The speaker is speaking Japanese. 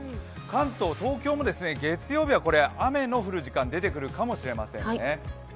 関東、東京も月曜日は雨の降る時間、出てくるかもしれませんね。